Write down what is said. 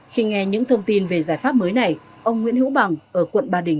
khi nghe những thông tin về giải pháp mới này ông nguyễn hữu bằng ở quận ba đình